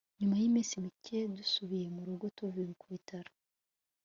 Nyuna yiminsi mike dusubiye murugo tuvuye kubutaro